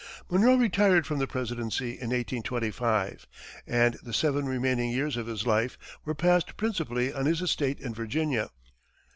Monroe retired from the presidency in 1825, and the seven remaining years of his life were passed principally on his estate in Virginia.